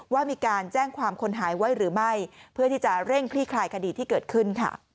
ว่ามีการแจ้งความคนหายไว้หรือไม่เพื่อที่จะเร่งคลี่คลายคดีที่เกิดขึ้น